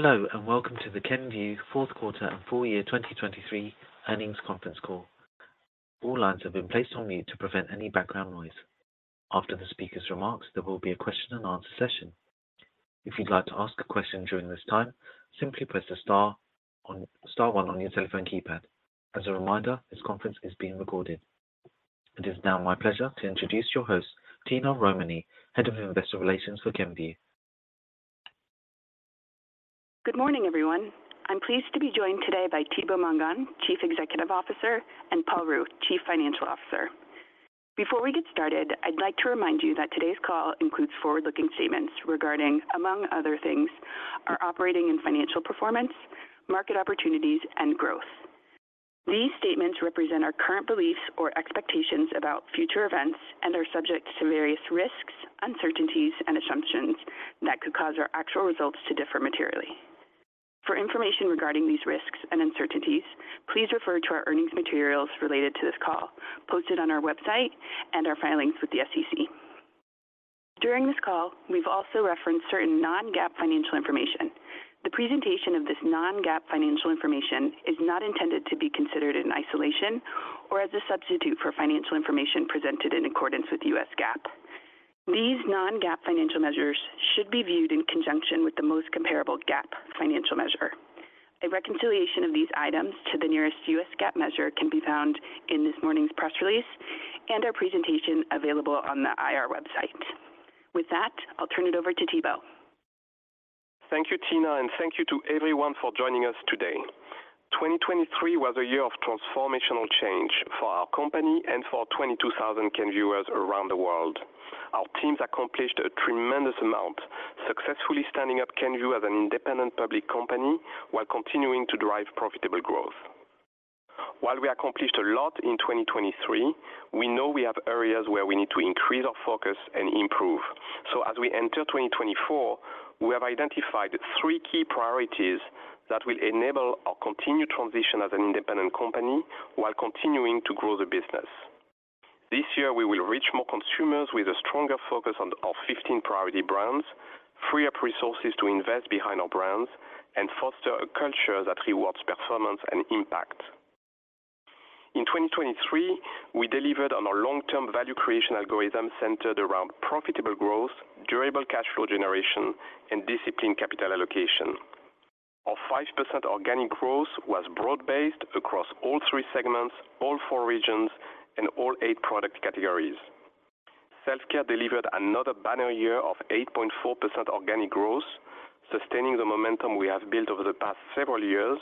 Hello, and welcome to the Kenvue Q4 and full year 2023 earnings conference call. All lines have been placed on mute to prevent any background noise. After the speaker's remarks, there will be a question-and-answer session. If you'd like to ask a question during this time, simply press star one on your telephone keypad. As a reminder, this conference is being recorded. It is now my pleasure to introduce your host, Tina Romani, Head of Investor Relations for Kenvue. Good morning, everyone. I'm pleased to be joined today by Thibaut Mongon, Chief Executive Officer, and Paul Ruh, Chief Financial Officer. Before we get started, I'd like to remind you that today's call includes forward-looking statements regarding, among other things, our operating and financial performance, market opportunities, and growth. These statements represent our current beliefs or expectations about future events, and are subject to various risks, uncertainties, and assumptions that could cause our actual results to differ materially. For information regarding these risks and uncertainties, please refer to our earnings materials related to this call, posted on our website and our filings with the SEC. During this call, we've also referenced certain non-GAAP financial information. The presentation of this non-GAAP financial information is not intended to be considered in isolation or as a substitute for financial information presented in accordance with the US GAAP. These non-GAAP financial measures should be viewed in conjunction with the most comparable GAAP financial measure. A reconciliation of these items to the nearest US GAAP measure can be found in this morning's press release and our presentation available on the IR website. With that, I'll turn it over to Thibaut. Thank you, Tina, and thank you to everyone for joining us today. 2023 was a year of transformational change for our company and for 22,000 Kenvuers around the world. Our teams accomplished a tremendous amount, successfully standing up Kenvue as an independent public company while continuing to drive profitable growth. While we accomplished a lot in 2023, we know we have areas where we need to increase our focus and improve. So as we enter 2024, we have identified three key priorities that will enable our continued transition as an independent company while continuing to grow the business. This year, we will reach more consumers with a stronger focus on our 15 priority brands, free up resources to invest behind our brands, and foster a culture that rewards performance and impact. In 2023, we delivered on our long-term value creation algorithm centered around profitable growth, durable cash flow generation, and disciplined capital allocation. Our 5% organic growth was broad-based across all three segments, all four regions, and all eight product categories. Self-care delivered another banner year of 8.4% organic growth, sustaining the momentum we have built over the past several years,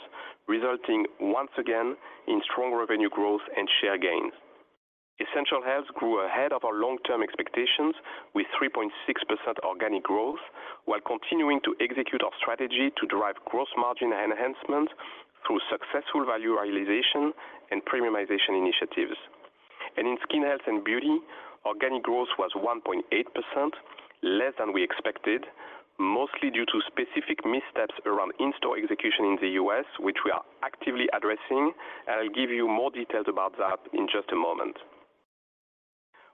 resulting once again in strong revenue growth and share gains. Essential health grew ahead of our long-term expectations with 3.6% organic growth, while continuing to execute our strategy to drive gross margin enhancement through successful value realization and premiumization initiatives. In skin health and beauty, organic growth was 1.8%, less than we expected, mostly due to specific missteps around in-store execution in the US, which we are actively addressing, and I'll give you more details about that in just a moment.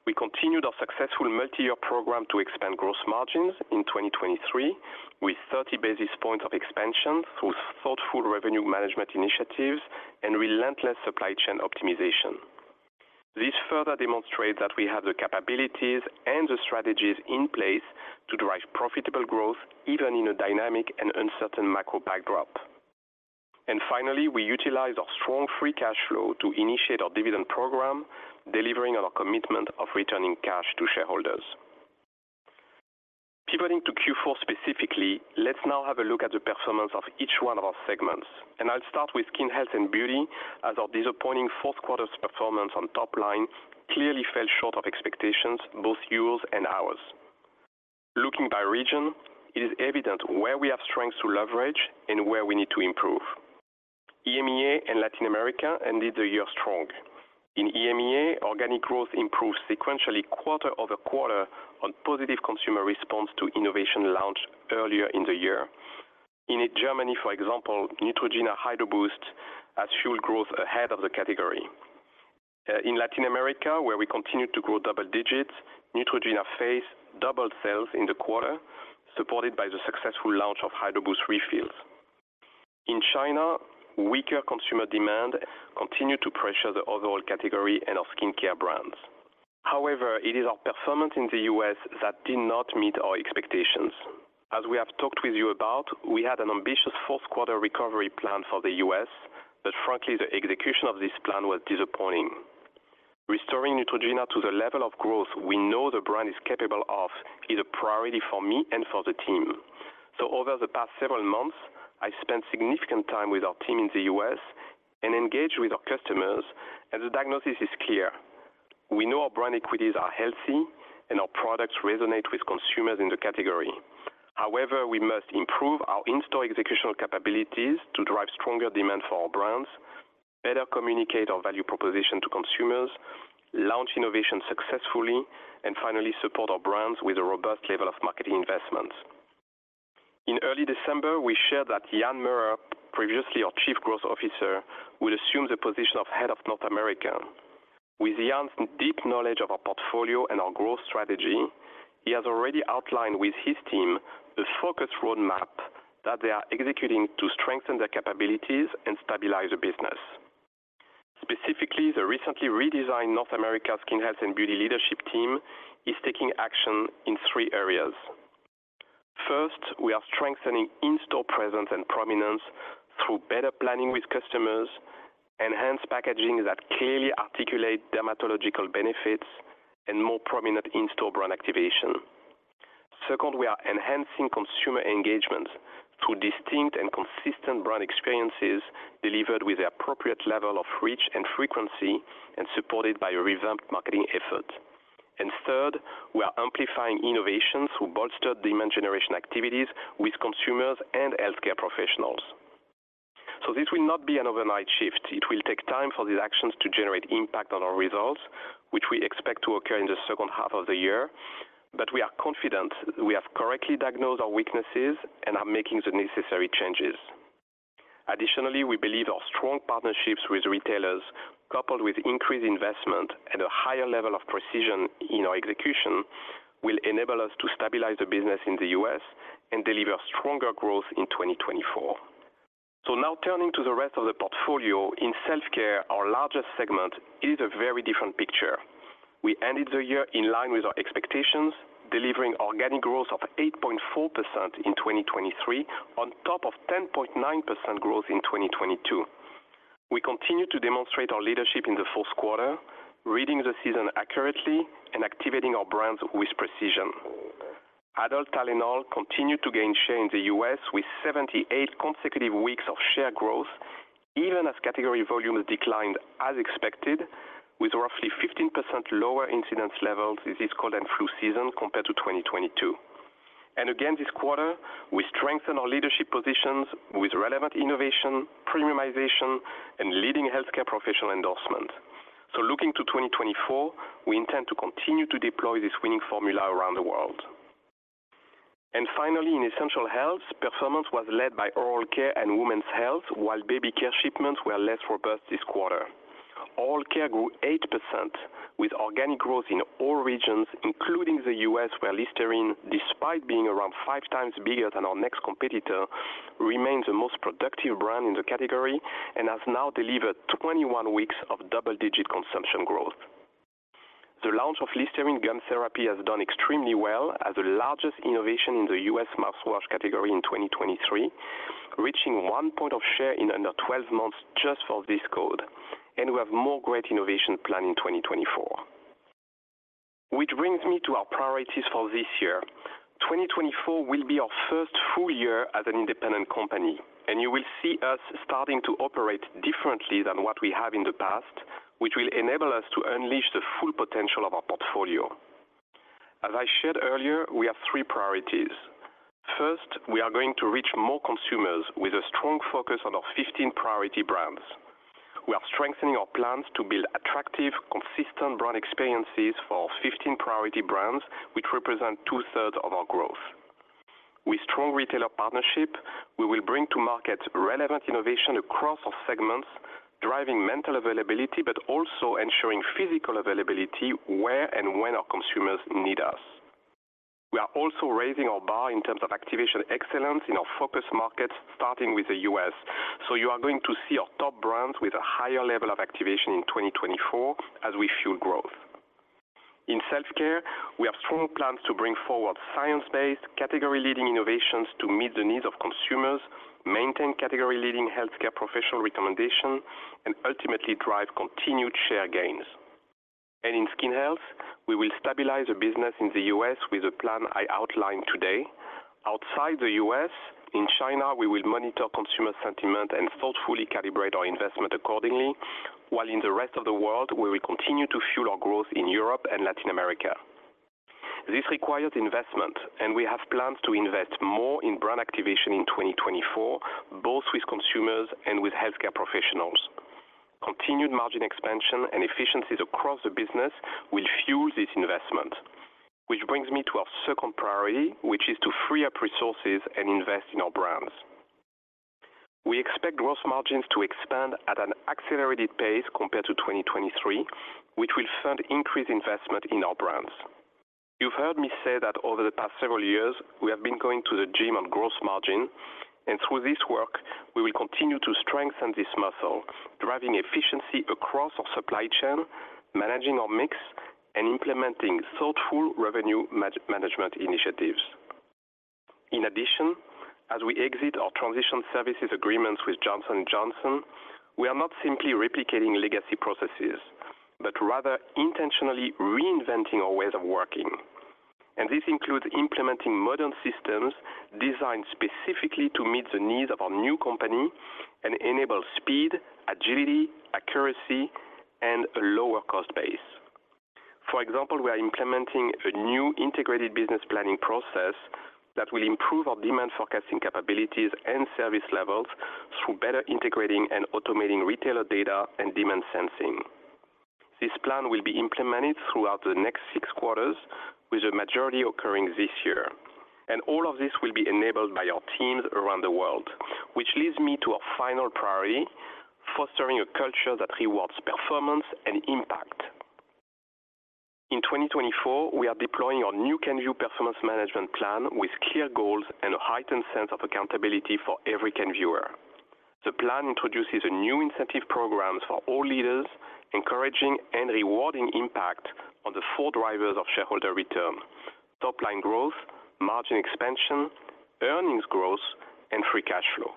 We continued our successful multi-year program to expand gross margins in 2023, with 30 basis points of expansion through thoughtful revenue management initiatives and relentless supply chain optimization. This further demonstrates that we have the capabilities and the strategies in place to drive profitable growth, even in a dynamic and uncertain macro backdrop. Finally, we utilized our strong free cash flow to initiate our dividend program, delivering on our commitment of returning cash to shareholders. Pivoting to Q4 specifically, let's now have a look at the performance of each one of our segments, and I'll start with skin health and beauty, as our disappointing Q4's performance on top line clearly fell short of expectations, both yours and ours. Looking by region, it is evident where we have strengths to leverage and where we need to improve. EMEA and Latin America ended the year strong. In EMEA, organic growth improved sequentially quarter-over-quarter on positive consumer response to innovation launched earlier in the year. In Germany, for example, Neutrogena Hydro Boost has fueled growth ahead of the category. In Latin America, where we continue to grow double digits, Neutrogena Face doubled sales in the quarter, supported by the successful launch of Hydro Boost refills. In China, weaker consumer demand continued to pressure the overall category and our skincare brands. However, it is our performance in the US that did not meet our expectations. As we have talked with you about, we had an ambitious Q4 recovery plan for the US, but frankly, the execution of this plan was disappointing. Restoring Neutrogena to the level of growth we know the brand is capable of is a priority for me and for the team. So over the past several months, I spent significant time with our team in the US and engaged with our customers, and the diagnosis is clear. We know our brand equities are healthy and our products resonate with consumers in the category. However, we must improve our in-store executional capabilities to drive stronger demand for our brands, better communicate our value proposition to consumers, launch innovations successfully, and finally, support our brands with a robust level of marketing investments. In early December, we shared that Jan Meurer, previously our Chief Growth Officer, would assume the position of Head of North America. With Jan's deep knowledge of our portfolio and our growth strategy, he has already outlined with his team the focused roadmap that they are executing to strengthen their capabilities and stabilize the business. Specifically, the recently redesigned North America Skin Health and Beauty leadership team is taking action in three areas. First, we are strengthening in-store presence and prominence through better planning with customers, enhanced packaging that clearly articulate dermatological benefits, and more prominent in-store brand activation. Second, we are enhancing consumer engagement through distinct and consistent brand experiences delivered with the appropriate level of reach and frequency, and supported by a revamped marketing effort. And third, we are amplifying innovations through bolstered demand generation activities with consumers and healthcare professionals. This will not be an overnight shift. It will take time for these actions to generate impact on our results, which we expect to occur in the second half of the year. But we are confident we have correctly diagnosed our weaknesses and are making the necessary changes. Additionally, we believe our strong partnerships with retailers, coupled with increased investment and a higher level of precision in our execution, will enable us to stabilize the business in the US and deliver stronger growth in 2024. Now turning to the rest of the portfolio. In self-care, our largest segment, is a very different picture. We ended the year in line with our expectations, delivering organic growth of 8.4% in 2023, on top of 10.9% growth in 2022. We continued to demonstrate our leadership in the Q4, reading the season accurately and activating our brands with precision. Adult Tylenol continued to gain share in the US, with 78 consecutive weeks of share growth, even as category volumes declined as expected, with roughly 15% lower incidence levels this cold and flu season compared to 2022. And again, this quarter, we strengthened our leadership positions with relevant innovation, premiumization, and leading healthcare professional endorsement. So looking to 2024, we intend to continue to deploy this winning formula around the world. And finally, in essential health, performance was led by oral care and women's health, while baby care shipments were less robust this quarter. Oral care grew 8%, with organic growth in all regions, including the US, where Listerine, despite being around five times bigger than our next competitor, remains the most productive brand in the category and has now delivered 21 weeks of double-digit consumption growth. The launch of Listerine Gum Therapy has done extremely well as the largest innovation in the US mouthwash category in 2023, reaching one point of share in under 12 months just for this code, and we have more great innovation planned in 2024. Which brings me to our priorities for this year. 2024 will be our first full year as an independent company, and you will see us starting to operate differently than what we have in the past, which will enable us to unleash the full potential of our portfolio. As I shared earlier, we have three priorities. First, we are going to reach more consumers with a strong focus on our 15 priority brands. We are strengthening our plans to build attractive, consistent brand experiences for our 15 priority brands, which represent two-thirds of our growth. With strong retailer partnership, we will bring to market relevant innovation across all segments, driving mental availability, but also ensuring physical availability where and when our consumers need us. We are also raising our bar in terms of activation excellence in our focus markets, starting with the US So you are going to see our top brands with a higher level of activation in 2024 as we fuel growth. In self-care, we have strong plans to bring forward science-based, category-leading innovations to meet the needs of consumers, maintain category-leading healthcare professional recommendation, and ultimately drive continued share gains. In skin health, we will stabilize the business in the US with the plan I outlined today. Outside the US, in China, we will monitor consumer sentiment and thoughtfully calibrate our investment accordingly, while in the rest of the world, we will continue to fuel our growth in Europe and Latin America. This requires investment, and we have plans to invest more in brand activation in 2024, both with consumers and with healthcare professionals. Continued margin expansion and efficiencies across the business will fuel this investment. Which brings me to our second priority, which is to free up resources and invest in our brands. We expect gross margins to expand at an accelerated pace compared to 2023, which will fund increased investment in our brands. You've heard me say that over the past several years, we have been going to the gym on gross margin, and through this work, we will continue to strengthen this muscle, driving efficiency across our supply chain, managing our mix, and implementing thoughtful revenue management initiatives. In addition, as we exit our transition services agreements with Johnson & Johnson, we are not simply replicating legacy processes, but rather intentionally reinventing our ways of working. This includes implementing modern systems designed specifically to meet the needs of our new company and enable speed, agility, accuracy, and a lower cost base. For example, we are implementing a new integrated business planning process that will improve our demand forecasting capabilities and service levels through better integrating and automating retailer data and demand sensing. This plan will be implemented throughout the next six quarters, with the majority occurring this year. All of this will be enabled by our teams around the world, which leads me to our final priority, fostering a culture that rewards performance and impact. In 2024, we are deploying our new Kenvue performance management plan with clear goals and a heightened sense of accountability for every Kenvuer. The plan introduces a new incentive program for all leaders, encouraging and rewarding impact on the four drivers of shareholder return: top line growth, margin expansion, earnings growth, and Free Cash Flow.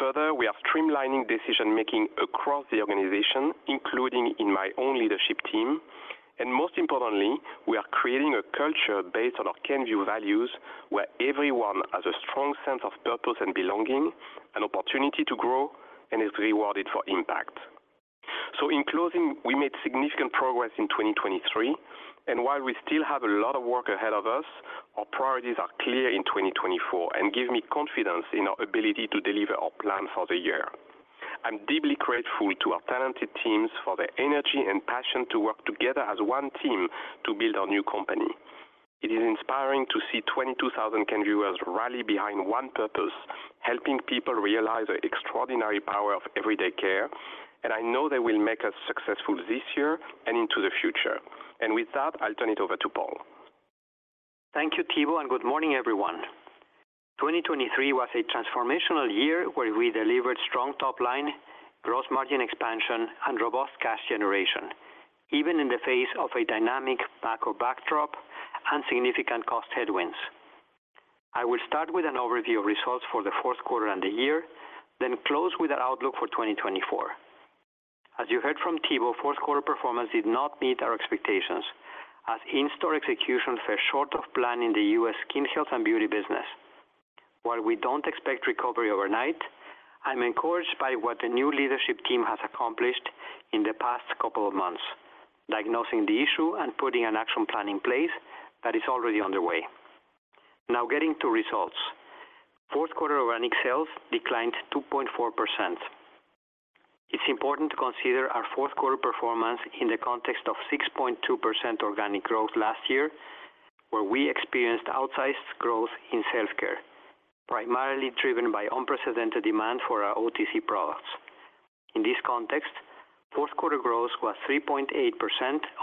Further, we are streamlining decision-making across the organization, including in my own leadership team, and most importantly, we are creating a culture based on our Kenvue values, where everyone has a strong sense of purpose and belonging, an opportunity to grow, and is rewarded for impact. In closing, we made significant progress in 2023, and while we still have a lot of work ahead of us, our priorities are clear in 2024 and give me confidence in our ability to deliver our plan for the year. I'm deeply grateful to our talented teams for their energy and passion to work together as one team to build our new company. It is inspiring to see 22,000 Kenvuers rally behind one purpose, helping people realize the extraordinary power of everyday care, and I know they will make us successful this year and into the future. With that, I'll turn it over to Paul. Thank you, Thibaut, and good morning, everyone. 2023 was a transformational year where we delivered strong top line, gross margin expansion, and robust cash generation, even in the face of a dynamic macro backdrop and significant cost headwinds. I will start with an overview of results for the Q4 and the year, then close with our outlook for 2024. As you heard from Thibaut, Q4 performance did not meet our expectations, as in-store execution fell short of plan in the US Skin Health and Beauty business. While we don't expect recovery overnight, I'm encouraged by what the new leadership team has accomplished in the past couple of months, diagnosing the issue and putting an action plan in place that is already underway. Now getting to results. Q4 organic sales declined 2.4%. It's important to consider our Q4 performance in the context of 6.2% organic growth last year, where we experienced outsized growth in self-care, primarily driven by unprecedented demand for our OTC products. In this context, Q4 growth was 3.8%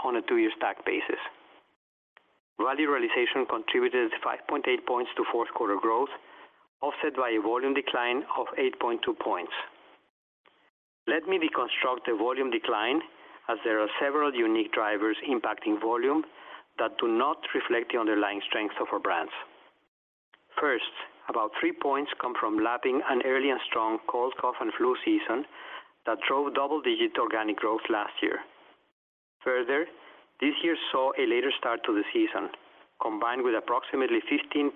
on a two-year stack basis. Value realization contributed 5.8 points to Q4 growth, offset by a volume decline of 8.2 points. Let me deconstruct the volume decline, as there are several unique drivers impacting volume that do not reflect the underlying strength of our brands. First, about three points come from lapping an early and strong cold, cough, and flu season that drove double-digit organic growth last year. Further, this year saw a later start to the season, combined with approximately 15%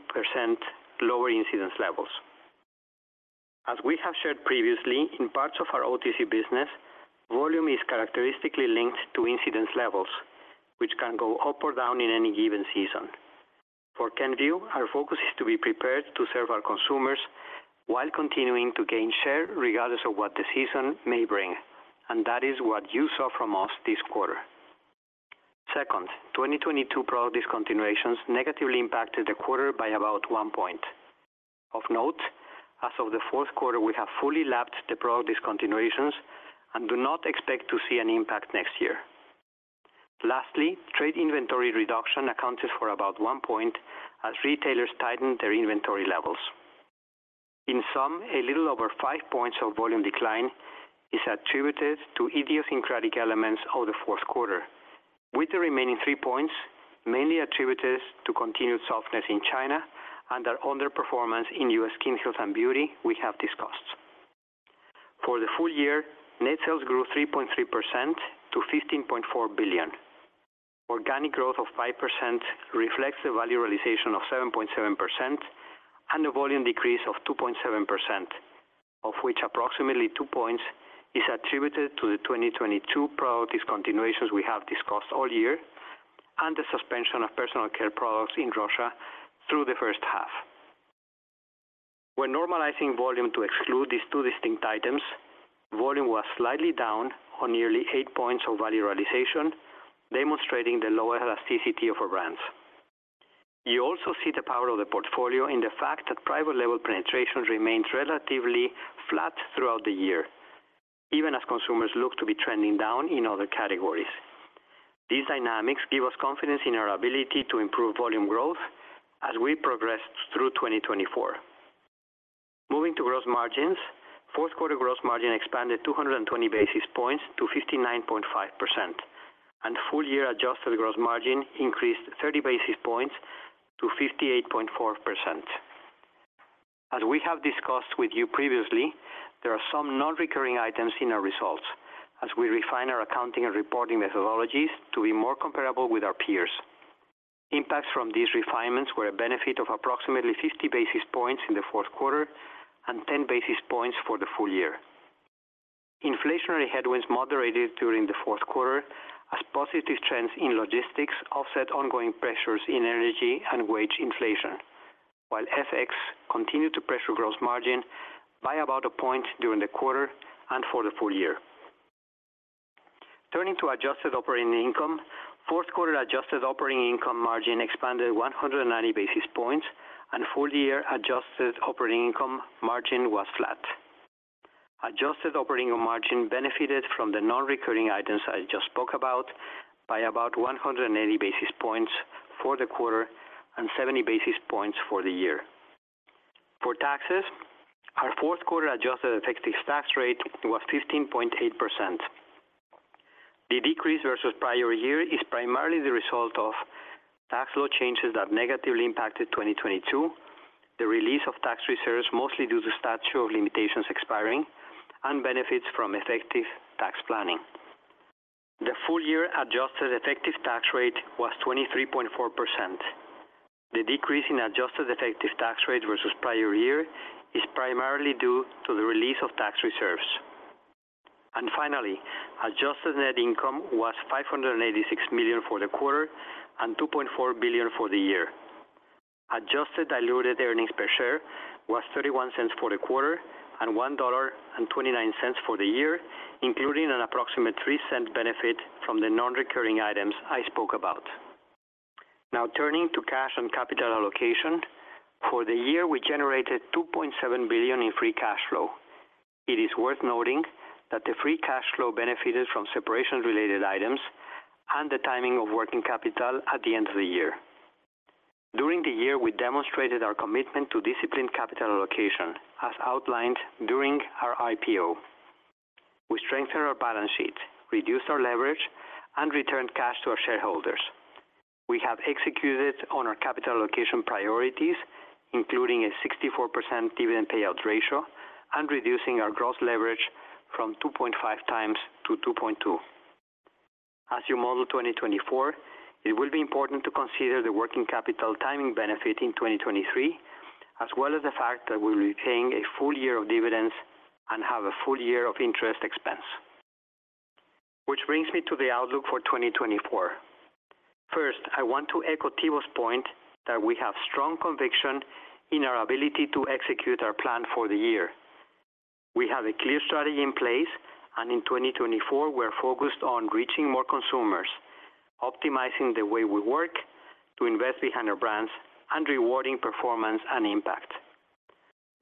lower incidence levels. As we have shared previously, in parts of our OTC business, volume is characteristically linked to incidence levels, which can go up or down in any given season. For Kenvue, our focus is to be prepared to serve our consumers while continuing to gain share, regardless of what the season may bring, and that is what you saw from us this quarter. Second, 2022 product discontinuations negatively impacted the quarter by about one point. Of note, as of the Q4, we have fully lapped the product discontinuations and do not expect to see an impact next year. Lastly, trade inventory reduction accounted for about 1 point, as retailers tightened their inventory levels. In sum, a little over five points of volume decline is attributed to idiosyncratic elements of the Q4, with the remaining three points mainly attributed to continued softness in China and our underperformance in US Skin Health and Beauty we have discussed. For the full year, net sales grew 3.3% to $15.4 billion. Organic growth of 5% reflects the Value Realization of 7.7% and a volume decrease of 2.7%, of which approximately two points is attributed to the 2022 product discontinuations we have discussed all year, and the suspension of personal care products in Russia through the first half. When normalizing volume to exclude these two distinct items, volume was slightly down on nearly 8 points of Value Realization, demonstrating the lower elasticity of our brands. You also see the power of the portfolio in the fact that private label penetration remains relatively flat throughout the year, even as consumers look to be trending down in other categories. These dynamics give us confidence in our ability to improve volume growth as we progress through 2024. Moving to gross margins, Q4 gross margin expanded 220 basis points to 59.5%, and full-year adjusted gross margin increased 30 basis points to 58.4%. As we have discussed with you previously, there are some non-recurring items in our results as we refine our accounting and reporting methodologies to be more comparable with our peers. Impacts from these refinements were a benefit of approximately 50 basis points in the Q4 and 10 basis points for the full year. Inflationary headwinds moderated during the Q4 as positive trends in logistics offset ongoing pressures in energy and wage inflation, while FX continued to pressure gross margin by about a point during the quarter and for the full year. Turning to adjusted operating income, Q4 adjusted operating income margin expanded 190 basis points, and full year adjusted operating income margin was flat. Adjusted operating margin benefited from the non-recurring items I just spoke about by about 180 basis points for the quarter and 70 basis points for the year. For taxes, our Q4 adjusted effective tax rate was 15.8%. The decrease versus prior year is primarily the result of tax law changes that negatively impacted 2022, the release of tax reserves, mostly due to statute of limitations expiring, and benefits from effective tax planning. The full year adjusted effective tax rate was 23.4%. The decrease in adjusted effective tax rate versus prior year is primarily due to the release of tax reserves. And finally, adjusted net income was $586 million for the quarter and $2.4 billion for the year. Adjusted diluted earnings per share was $0.31 for the quarter and $1.29 for the year, including an approximate $0.03 benefit from the non-recurring items I spoke about. Now, turning to cash and capital allocation. For the year, we generated $2.7 billion in free cash flow. It is worth noting that the free cash flow benefited from separation-related items and the timing of working capital at the end of the year. During the year, we demonstrated our commitment to disciplined capital allocation, as outlined during our IPO. We strengthened our balance sheet, reduced our leverage, and returned cash to our shareholders. We have executed on our capital allocation priorities, including a 64% dividend payout ratio and reducing our gross leverage from 2.5 times to 2.2. As you model 2024, it will be important to consider the working capital timing benefit in 2023, as well as the fact that we'll be paying a full year of dividends and have a full year of interest expense. Which brings me to the outlook for 2024. First, I want to echo Thibaut's point that we have strong conviction in our ability to execute our plan for the year. We have a clear strategy in place, and in 2024, we are focused on reaching more consumers, optimizing the way we work to invest behind our brands, and rewarding performance and impact.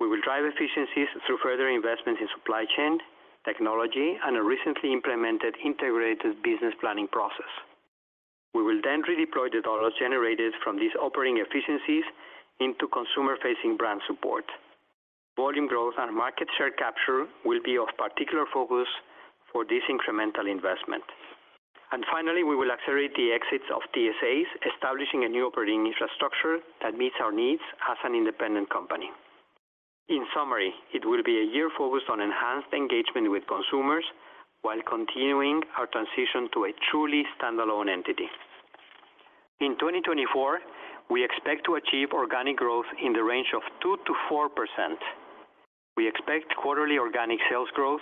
We will drive efficiencies through further investments in supply chain, technology, and a recently implemented integrated business planning process. We will then redeploy the dollars generated from these operating efficiencies into consumer-facing brand support. Volume growth and market share capture will be of particular focus for this incremental investment. And finally, we will accelerate the exits of TSAs, establishing a new operating infrastructure that meets our needs as an independent company. In summary, it will be a year focused on enhanced engagement with consumers while continuing our transition to a truly standalone entity. In 2024, we expect to achieve organic growth in the range of 2%-4%. We expect quarterly organic sales growth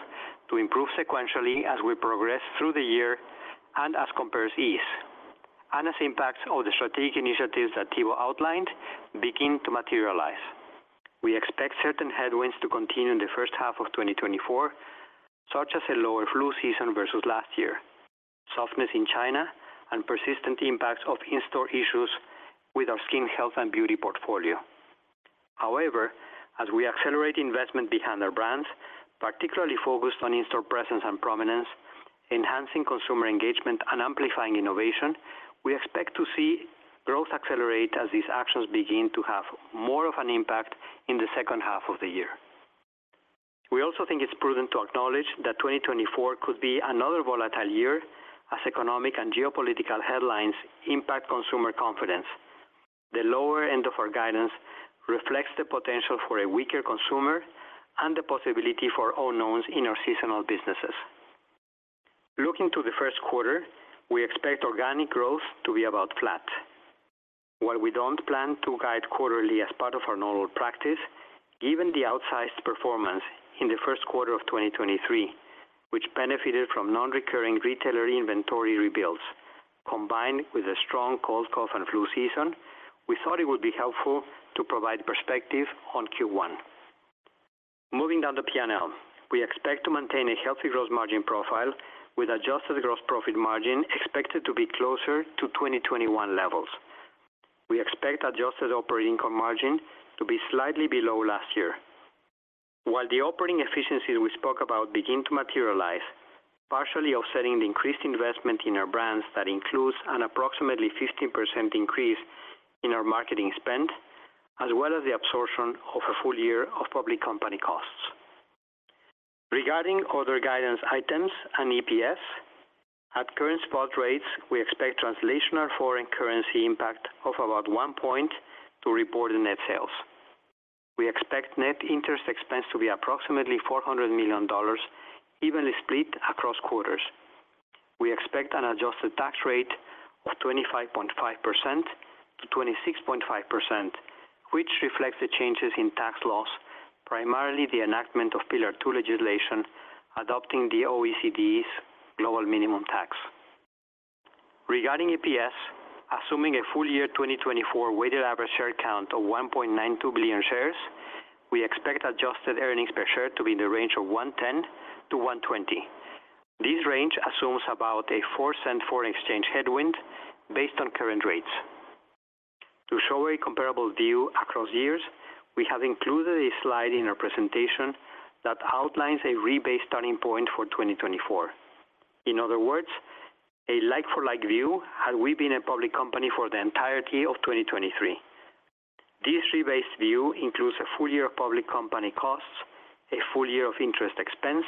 to improve sequentially as we progress through the year and as comps ease, and as impacts of the strategic initiatives that Thibaut outlined begin to materialize. We expect certain headwinds to continue in the first half of 2024, such as a lower flu season versus last year, softness in China, and persistent impacts of in-store issues with our skin health and beauty portfolio. However, as we accelerate investment behind our brands, particularly focused on in-store presence and prominence, enhancing consumer engagement, and amplifying innovation, we expect to see growth accelerate as these actions begin to have more of an impact in the second half of the year. We also think it's prudent to acknowledge that 2024 could be another volatile year as economic and geopolitical headlines impact consumer confidence. The lower end of our guidance reflects the potential for a weaker consumer and the possibility for unknowns in our seasonal businesses. Looking to the Q1, we expect organic growth to be about flat. While we don't plan to guide quarterly as part of our normal practice, given the outsized performance in the Q1 of 2023, which benefited from non-recurring retailer inventory rebuilds, combined with a strong cold, cough, and flu season, we thought it would be helpful to provide perspective on Q1. Moving down the PNL, we expect to maintain a healthy gross margin profile with adjusted gross profit margin expected to be closer to 2021 levels. We expect adjusted operating income margin to be slightly below last year. While the operating efficiencies we spoke about begin to materialize, partially offsetting the increased investment in our brands, that includes an approximately 15% increase in our marketing spend, as well as the absorption of a full year of public company costs. Regarding other guidance items and EPS, at current spot rates, we expect translational foreign currency impact of about one point to reported net sales. We expect net interest expense to be approximately $400 million, evenly split across quarters. We expect an adjusted tax rate of 25.5%-26.5%, which reflects the changes in tax laws, primarily the enactment of Pillar Two legislation, adopting the OECD's global minimum tax. Regarding EPS, assuming a full year 2024 weighted average share count of 1.92 billion shares, we expect adjusted earnings per share to be in the range of $1.10-$1.20. This range assumes about a $0.04 foreign exchange headwind based on current rates. To show a comparable view across years, we have included a slide in our presentation that outlines a rebased starting point for 2024. In other words, a like-for-like view had we been a public company for the entirety of 2023. This rebased view includes a full year of public company costs, a full year of interest expense,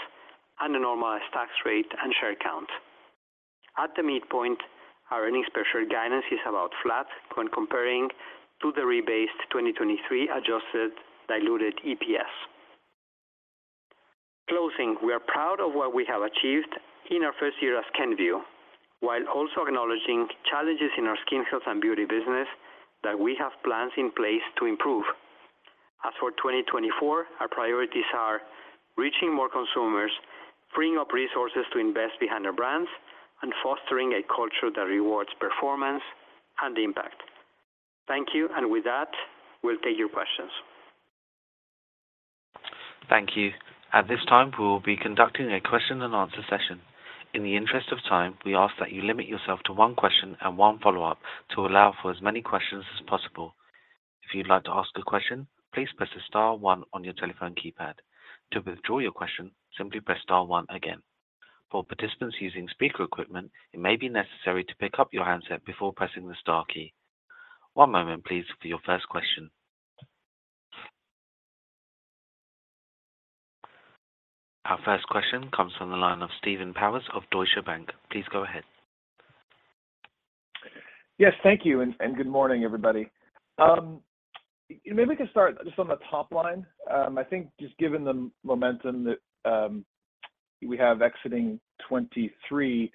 and a normalized tax rate and share count. At the midpoint, our earnings per share guidance is about flat when comparing to the rebased 2023 Adjusted Diluted EPS. Closing, we are proud of what we have achieved in our first year as Kenvue, while also acknowledging challenges in our skin health and beauty business that we have plans in place to improve. As for 2024, our priorities are reaching more consumers, freeing up resources to invest behind our brands, and fostering a culture that rewards performance and impact. Thank you, and with that, we'll take your questions. Thank you. At this time, we will be conducting a question and answer session. In the interest of time, we ask that you limit yourself to one question and one follow-up to allow for as many questions as possible. If you'd like to ask a question, please press the star one on your telephone keypad. To withdraw your question, simply press star one again. For participants using speaker equipment, it may be necessary to pick up your handset before pressing the star key. One moment, please, for your first question. Our first question comes from the line of Steve Powers of Deutsche Bank. Please go ahead. Yes, thank you, and good morning, everybody. Maybe we can start just on the top line. I think just given the momentum that we have exiting 2023,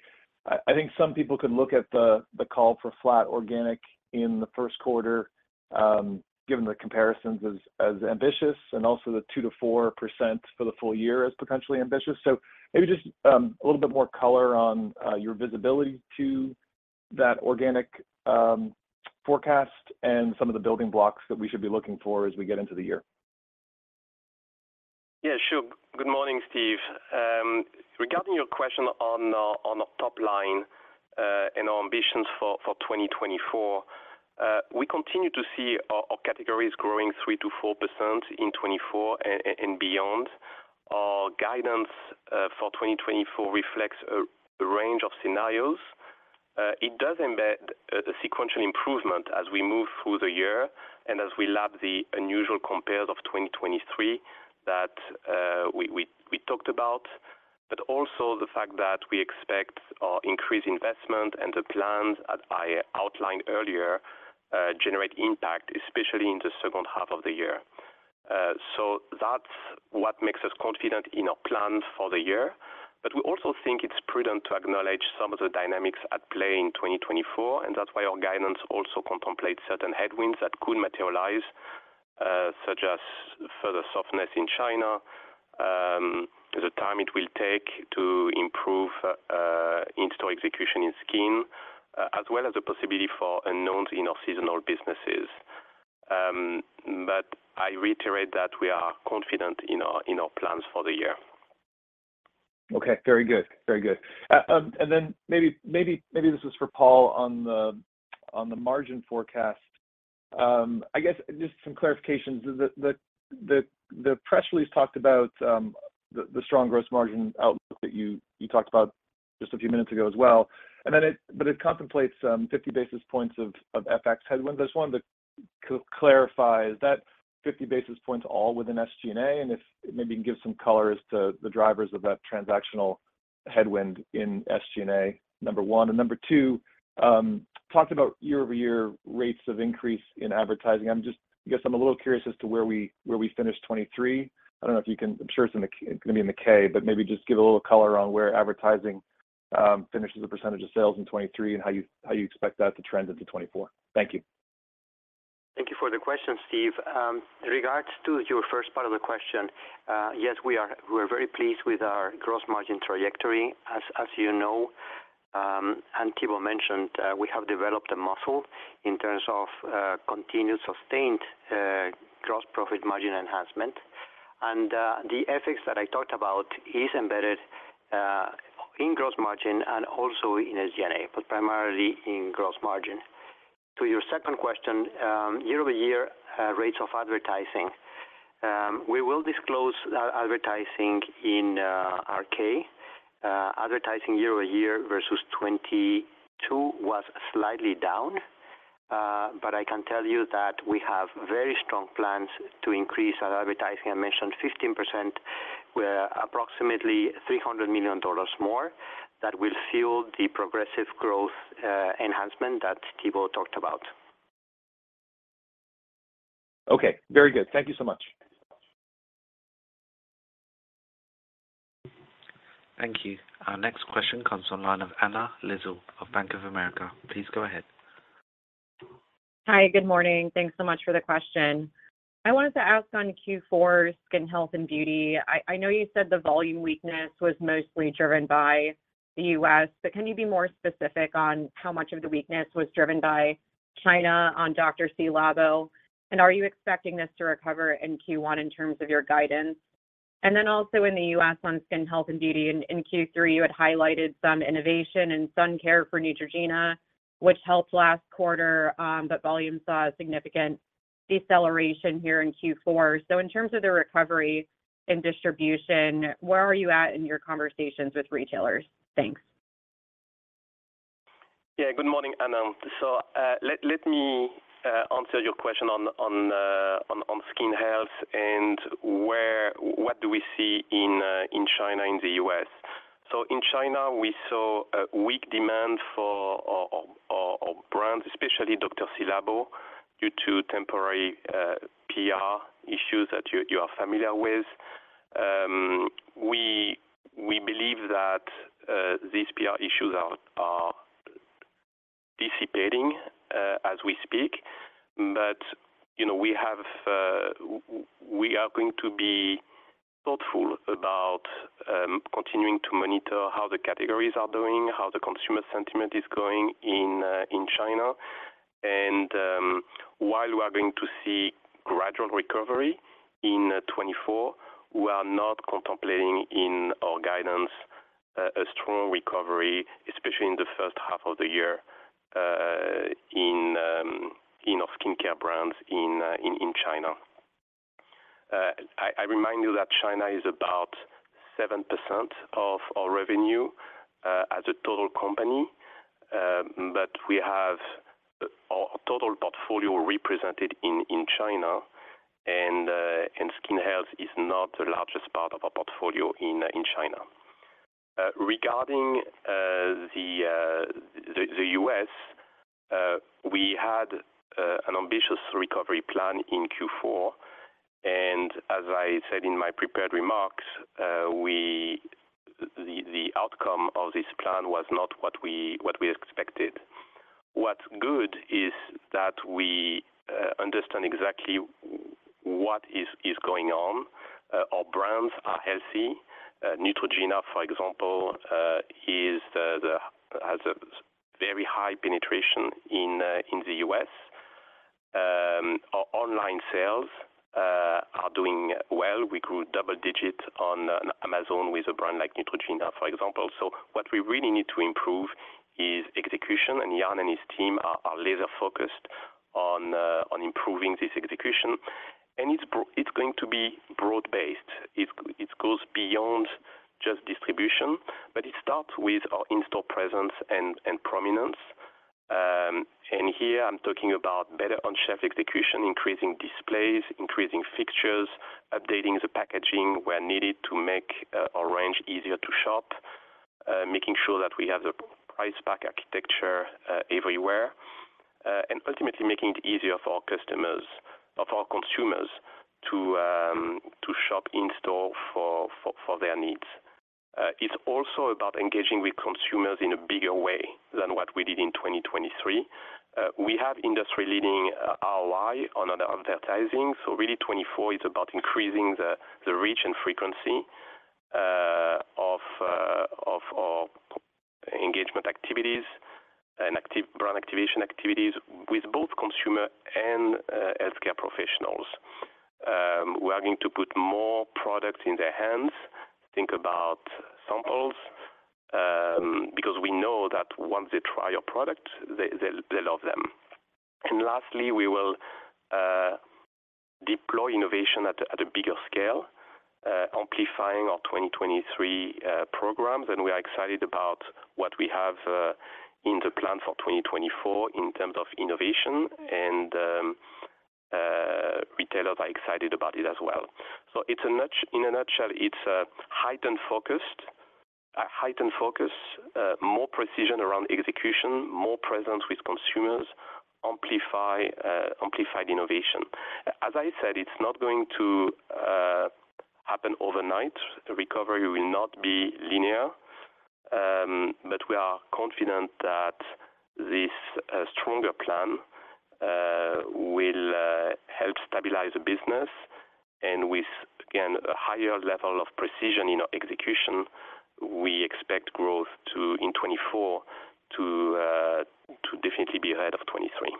I think some people could look at the call for flat organic in the Q1, given the comparisons as ambitious and also the 2%-4% for the full year as potentially ambitious. So maybe just a little bit more color on your visibility to that organic forecast and some of the building blocks that we should be looking for as we get into the year. Yeah, sure. Good morning, Steve. Regarding your question on the top line and our ambitions for 2024, we continue to see our categories growing 3%-4% in 2024 and beyond. Our guidance for 2024 reflects a range of scenarios. It does embed a sequential improvement as we move through the year and as we lap the unusual compares of 2023 that we talked about, but also the fact that we expect our increased investment and the plans that I outlined earlier generate impact, especially in the second half of the year. So that's what makes us confident in our plans for the year. But we also think it's prudent to acknowledge some of the dynamics at play in 2024, and that's why our guidance also contemplates certain headwinds that could materialize, such as further softness in China, the time it will take to improve in-store execution in skin, as well as the possibility for unknowns in our seasonal businesses. But I reiterate that we are confident in our plans for the year. Okay, very good. Very good. And then maybe this is for Paul on the margin forecast. I guess just some clarifications. The press release talked about the strong gross margin outlook that you talked about just a few minutes ago as well, but it contemplates 50 basis points of FX headwind. I just wanted to clarify, is that 50 basis points all within SG&NA, and if maybe you can give some color as to the drivers of that transactional headwind in SG&NA, number one. And number two, talked about year-over-year rates of increase in advertising. I'm just... I guess I'm a little curious as to where we finished 2023. I don't know if you can, I'm sure it's gonna be in the K, but maybe just give a little color on where advertising finishes the percentage of sales in 2023 and how you, how you expect that to trend into 2024. Thank you. Thank you for the question, Steve. Regards to your first part of the question, yes, we are very pleased with our Gross Margin trajectory. As you know, and Thibaut mentioned, we have developed a muscle in terms of continuous, sustained Gross Profit Margin enhancement. And the FX that I talked about is embedded in Gross Margin and also in SG&NA, but primarily in Gross Margin. To your second question, year-over-year rates of advertising. We will disclose our advertising in our K. Advertising year over year versus 2022 was slightly down, but I can tell you that we have very strong plans to increase our advertising. I mentioned 15%, where approximately $300 million more that will fuel the progressive growth enhancement that Thibaut talked about. Okay, very good. Thank you so much. Thank you. Our next question comes from the line of Anna Lizzul of Bank of America. Please go ahead. Hi, good morning. Thanks so much for the question. I wanted to ask on Q4, skin health and beauty. I know you said the volume weakness was mostly driven by the US, but can you be more specific on how much of the weakness was driven by China on Dr.Ci:Labo? And are you expecting this to recover in Q1 in terms of your guidance? And then also in the US, on skin health and beauty, in Q3, you had highlighted some innovation and sun care for Neutrogena, which helped last quarter, but volume saw a significant deceleration here in Q4. So in terms of the recovery and distribution, where are you at in your conversations with retailers? Thanks. Yeah, good morning, Anna. So, let me answer your question on skin health and where, what do we see in China, in the US So in China, we saw a weak demand for our brands, especially Dr.Ci:Labo, due to temporary PR issues that you are familiar with. We believe that these PR issues are dissipating as we speak. But, you know, we have, we are going to be thoughtful about continuing to monitor how the categories are doing, how the consumer sentiment is going in China. While we are going to see gradual recovery in 2024, we are not contemplating in our guidance a strong recovery, especially in the first half of the year, in our skincare brands in China. I remind you that China is about 7% of our revenue as a total company, but we have our total portfolio represented in China, and skin health is not the largest part of our portfolio in China. Regarding the US, we had an ambitious recovery plan in Q4, and as I said in my prepared remarks, the outcome of this plan was not what we expected. What's good is that we understand exactly what is going on. Our brands are healthy. Neutrogena, for example, has a very high penetration in the US Our online sales are doing well. We grew double digits on Amazon with a brand like Neutrogena, for example. So what we really need to improve is execution, and Jan and his team are laser-focused on improving this execution. And it's going to be broad-based. It goes beyond just distribution, but it starts with our in-store presence and prominence. And here I'm talking about better on-shelf execution, increasing displays, increasing fixtures, updating the packaging where needed to make our range easier to shop, making sure that we have the price pack architecture everywhere, and ultimately making it easier for our customers, of our consumers, to shop in store for their needs. It's also about engaging with consumers in a bigger way than what we did in 2023. We have industry-leading ROI on our advertising, so really 2024 is about increasing the reach and frequency of our engagement activities and active brand activation activities with both consumer and healthcare professionals. We are going to put more product in their hands, think about samples, because we know that once they try our product, they love them. And lastly, we will deploy innovation at a bigger scale, amplifying our 2023 programs. And we are excited about what we have in the plan for 2024 in terms of innovation, and retailers are excited about it as well. In a nutshell, it's a heightened focus, more precision around execution, more presence with consumers, amplified innovation. As I said, it's not going to happen overnight. Recovery will not be linear, but we are confident that this stronger plan will help stabilize the business, and with, again, a higher level of precision in our execution, we expect growth in 2024 to definitely be ahead of 2023.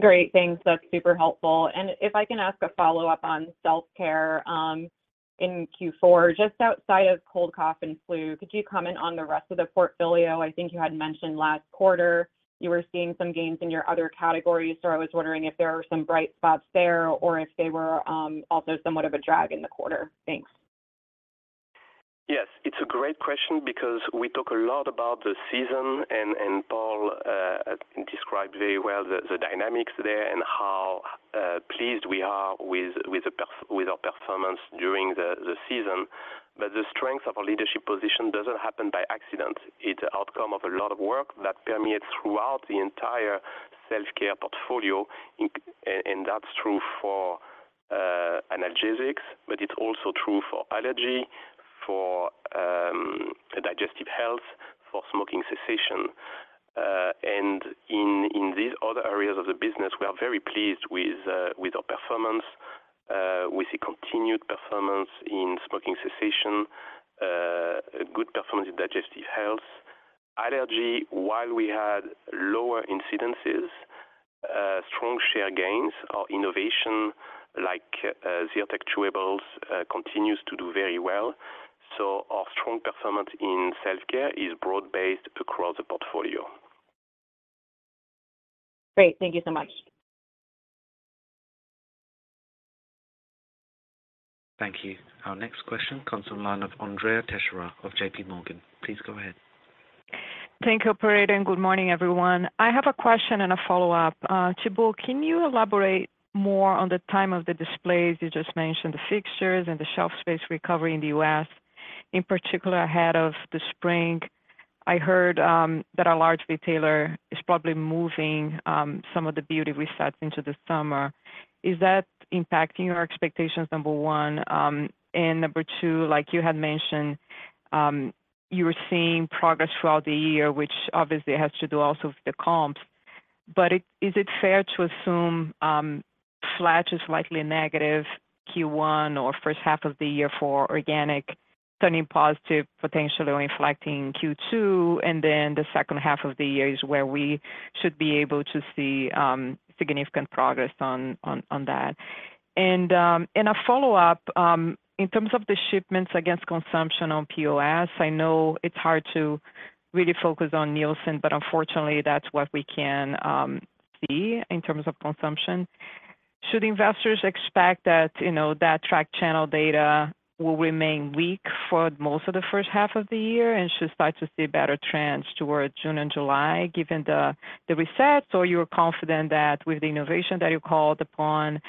Great, thanks. That's super helpful. And if I can ask a follow-up on self-care, in Q4, just outside of cold, cough, and flu, could you comment on the rest of the portfolio? I think you had mentioned last quarter, you were seeing some gains in your other categories. So I was wondering if there are some bright spots there or if they were, also somewhat of a drag in the quarter. Thanks. Yes, it's a great question because we talk a lot about the season, and Paul described very well the dynamics there and how pleased we are with our performance during the season. But the strength of our leadership position doesn't happen by accident. It's an outcome of a lot of work that permeates throughout the entire self-care portfolio, and that's true for analgesics, but it's also true for allergy, for digestive health, for smoking cessation. And in these other areas of the business, we are very pleased with our performance. We see continued performance in smoking cessation, good performance in digestive health. Allergy, while we had lower incidences, strong share gains, our innovation, like Zyrtec chewables, continues to do very well. Our strong performance in self-care is broad-based across the portfolio. Great, thank you so much. Thank you. Our next question comes from the line of Andrea Teixeira of JPMorgan. Please go ahead. Thank you, operator, and good morning, everyone. I have a question and a follow-up. Thibaut, can you elaborate more on the time of the displays you just mentioned, the fixtures and the shelf space recovery in the US, in particular, ahead of the spring? I heard that a large retailer is probably moving some of the beauty resets into the summer. Is that impacting your expectations, number one? And number two, like you had mentioned, you were seeing progress throughout the year, which obviously has to do also with the comps. But is it fair to assume flat is likely a negative Q1 or first half of the year for organic, turning positive, potentially inflecting Q2, and then the second half of the year is where we should be able to see significant progress on that? A follow-up, in terms of the shipments against consumption on POS, I know it's hard to really focus on Nielsen, but unfortunately, that's what we can see in terms of consumption. Should investors expect that, you know, that track channel data will remain weak for most of the first half of the year and should start to see better trends towards June and July, given the resets? Or you are confident that with the innovation that you called upon,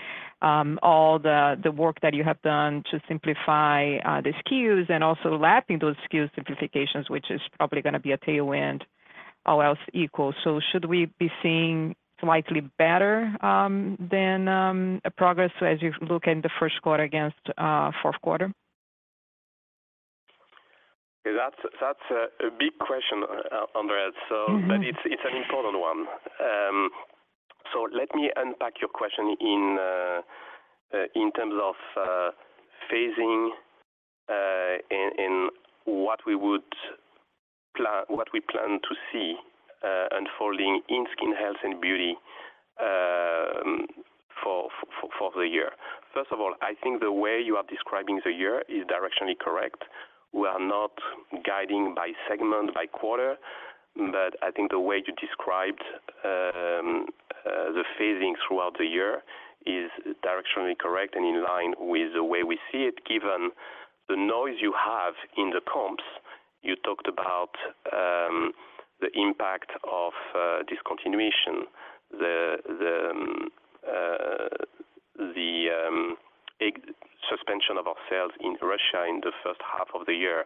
all the work that you have done to simplify the SKUs and also lapping those SKUs simplifications, which is probably going to be a tailwind, all else equal. So should we be seeing slightly better than a progress as you look in the Q1 against Q4? That's a big question, Andrea. Mm-hmm. But it's an important one. So let me unpack your question in terms of phasing in what we plan to see unfolding in skin health and beauty for the year. First of all, I think the way you are describing the year is directionally correct. We are not guiding by segment, by quarter, but I think the way you described the phasing throughout the year is directionally correct and in line with the way we see it, given the noise you have in the comps. You talked about the impact of discontinuation, the suspension of our sales in Russia in the first half of the year.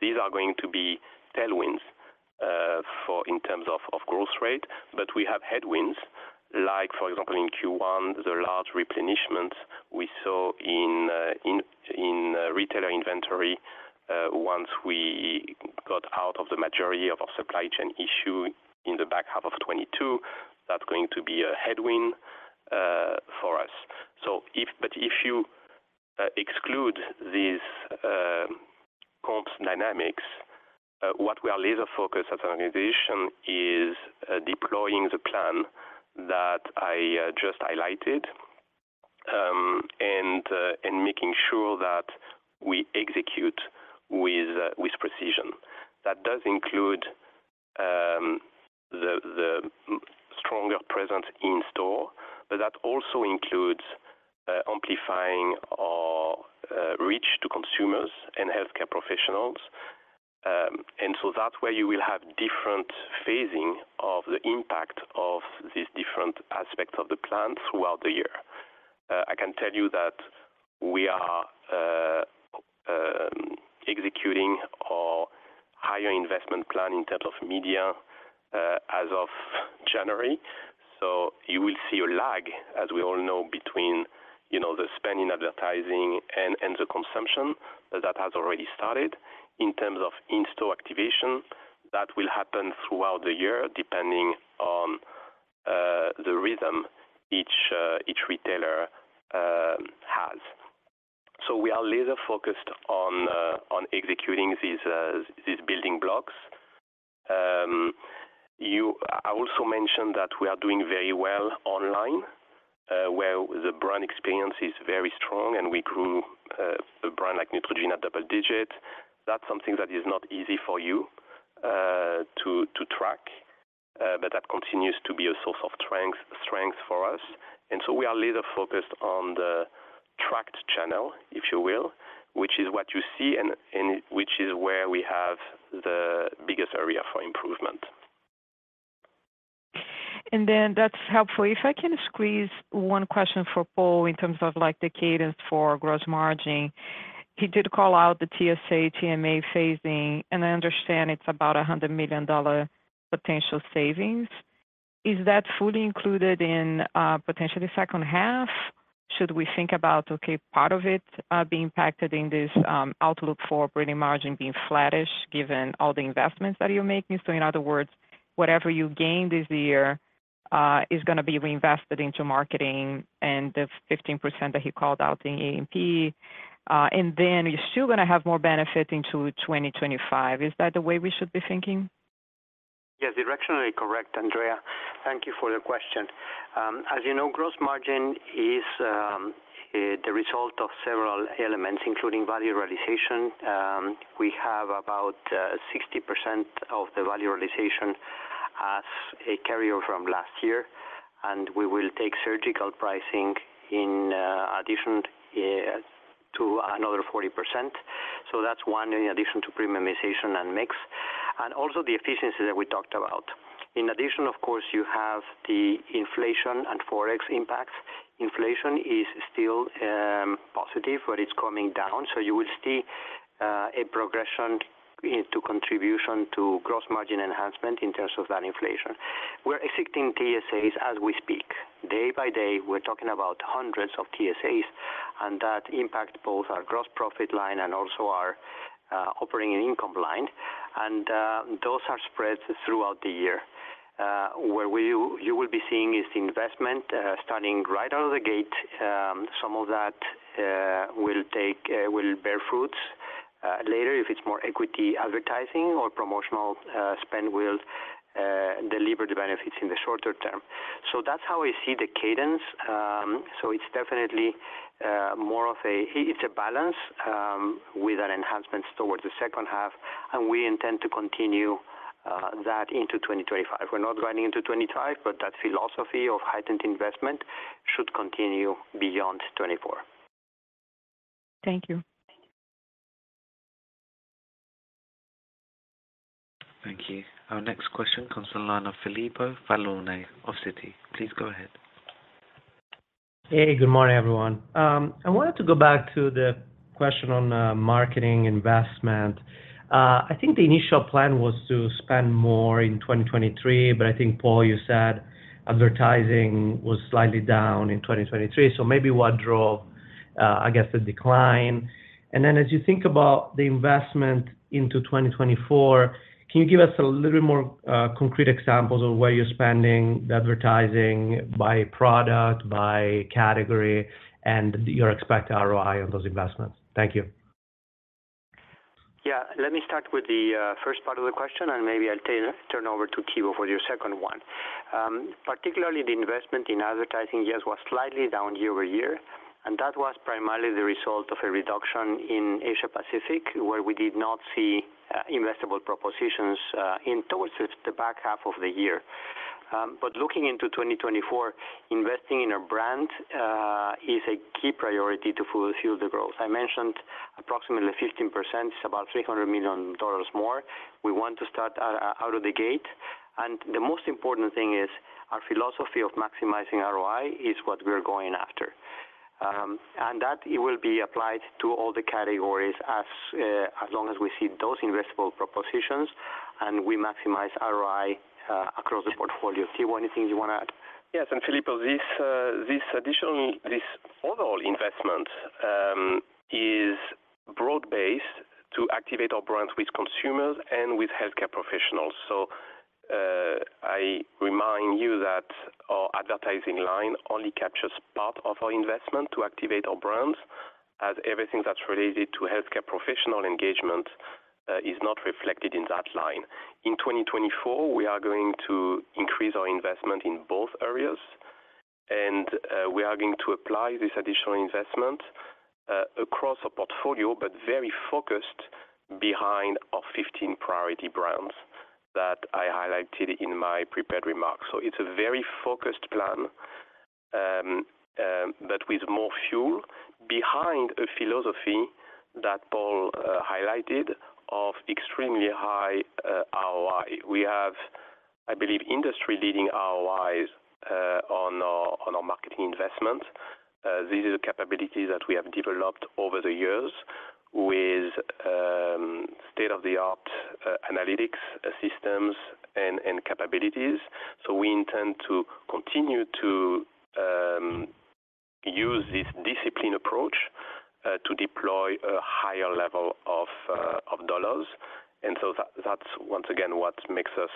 These are going to be tailwinds for in terms of growth rate, but we have headwinds, like, for example, in Q1, the large replenishment we saw in retailer inventory once we got out of the majority of our supply chain issue in the back half of 2022, that's going to be a headwind for us. But if you exclude these comps dynamics, what we are laser-focused as an organization is deploying the plan that I just highlighted, and making sure that we execute with precision. That does include the stronger presence in store, but that also includes amplifying our reach to consumers and healthcare professionals. And so that's where you will have different phasing of the impact of these different aspects of the plan throughout the year. I can tell you that we are executing our higher investment plan in terms of media, as of January. So you will see a lag, as we all know, between, you know, the spend in advertising and the consumption. That has already started. In terms of in-store activation, that will happen throughout the year, depending on the rhythm each retailer has. So we are laser-focused on executing these building blocks. I also mentioned that we are doing very well online, where the brand experience is very strong, and we grew a brand like Neutrogena, double digits. That's something that is not easy for you to track, but that continues to be a source of strength for us. And so we are laser-focused on the tracked channel, if you will, which is what you see and which is where we have the biggest area for improvement. And then that's helpful. If I can squeeze one question for Paul in terms of, like, the cadence for gross margin. He did call out the TSA, TMA phasing, and I understand it's about $100 million potential savings. Is that fully included in potentially second half? Should we think about, okay, part of it being impacted in this outlook for operating margin being flattish, given all the investments that you're making? So in other words, whatever you gained this year is gonna be reinvested into marketing and the 15% that he called out in A&P. And then you're still gonna have more benefit into 2025. Is that the way we should be thinking? Yes, directionally correct, Andrea. Thank you for the question. As you know, gross margin is the result of several elements, including value realization. We have about 60% of the value realization as a carryover from last year, and we will take surgical pricing in addition to another 40%. So that's one in addition to premiumization and mix, and also the efficiency that we talked about. In addition, of course, you have the inflation and Forex impacts. Inflation is still positive, but it's coming down, so you will see a progression into contribution to gross margin enhancement in terms of that inflation. We're executing TSAs as we speak. Day by day, we're talking about hundreds of TSAs, and that impact both our gross profit line and also our operating income line, and those are spread throughout the year. Where you will be seeing is the investment starting right out of the gate. Some of that will bear fruit later if it's more equity advertising or promotional spend will deliver the benefits in the shorter term. So that's how we see the cadence. So it's definitely more of a balance with an enhancement towards the second half, and we intend to continue that into 2025. We're not guiding into 2025, but that philosophy of heightened investment should continue beyond 2024. Thank you. Thank you. Our next question comes from the line of Filippo Falorni of Citi. Please go ahead. Hey, good morning, everyone. I wanted to go back to the question on marketing investment. I think the initial plan was to spend more in 2023, but I think, Paul, you said advertising was slightly down in 2023. So maybe what drove, I guess, the decline? And then as you think about the investment into 2024, can you give us a little more concrete examples of where you're spending the advertising by product, by category, and your expected ROI on those investments? Thank you. Yeah. Let me start with the first part of the question, and maybe I'll turn over to Thibaut for the second one. Particularly the investment in advertising, yes, was slightly down year-over-year, and that was primarily the result of a reduction in Asia Pacific, where we did not see investable propositions in towards the back half of the year. But looking into 2024, investing in our brand is a key priority to fuel the growth. I mentioned approximately 15%, it's about $300 million more. We want to start out of the gate, and the most important thing is, our philosophy of maximizing ROI is what we're going after. That it will be applied to all the categories as long as we see those investable propositions, and we maximize ROI across the portfolio. Thibaut, anything you want to add? Yes, and Filippo, this, this additional, this overall investment is broad-based to activate our brands with consumers and with healthcare professionals. So, I remind you that our advertising line only captures part of our investment to activate our brands, as everything that's related to healthcare professional engagement is not reflected in that line. In 2024, we are going to increase our investment in both areas, and we are going to apply this additional investment across our portfolio, but very focused behind our 15 priority brands that I highlighted in my prepared remarks. So it's a very focused plan, but with more fuel behind a philosophy that Paul highlighted of extremely high ROI. We have, I believe, industry-leading ROIs on our, on our marketing investment. This is a capability that we have developed over the years with state-of-the-art analytics, systems, and capabilities. So we intend to continue to use this disciplined approach to deploy a higher level of dollars. And so that, that's once again, what makes us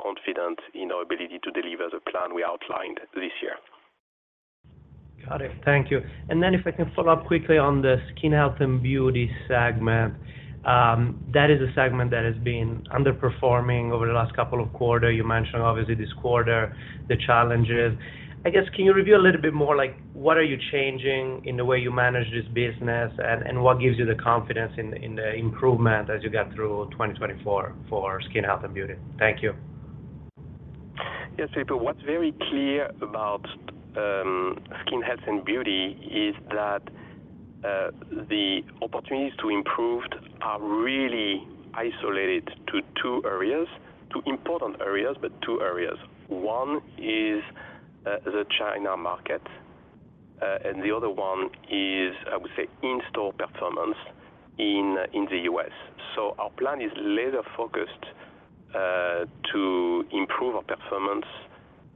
confident in our ability to deliver the plan we outlined this year. Got it. Thank you. And then if I can follow up quickly on the Skin Health and Beauty segment. That is a segment that has been underperforming over the last couple of quarter. You mentioned obviously this quarter, the challenges. I guess, can you review a little bit more, like, what are you changing in the way you manage this business? And, and what gives you the confidence in, in the improvement as you get through 2024 for Skin Health and Beauty? Thank you. Yes, Filippo, what's very clear about Skin Health and Beauty is that the opportunities to improve are really isolated to two areas, to important areas, but two areas. One is the China market. And the other one is, I would say, in-store performance in the US. So our plan is laser-focused to improve our performance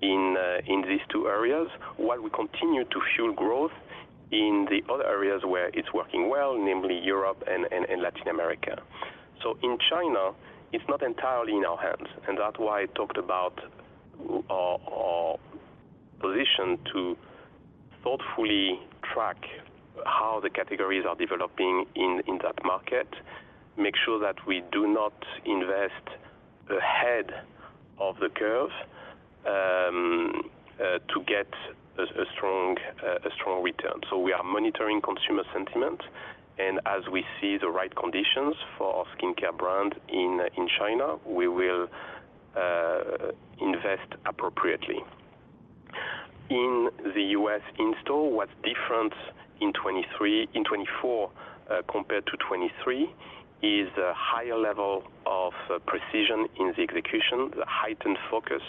in these two areas, while we continue to fuel growth in the other areas where it's working well, namely Europe and Latin America. So in China, it's not entirely in our hands, and that's why I talked about our position to thoughtfully track how the categories are developing in that market, make sure that we do not invest ahead of the curve to get a strong return. So we are monitoring consumer sentiment, and as we see the right conditions for our skincare brand in China, we will invest appropriately. In the US in-store, what's different in 2023, in 2024, compared to 2023, is a higher level of precision in the execution. The heightened focus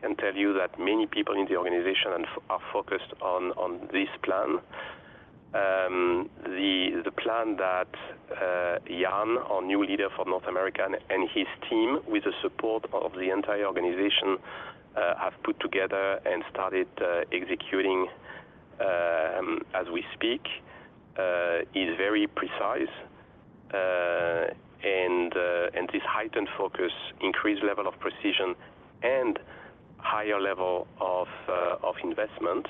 can tell you that many people in the organization are focused on this plan. The plan that Jan, our new leader for North America, and his team, with the support of the entire organization, have put together and started executing as we speak, is very precise. And this heightened focus, increased level of precision and higher level of investment,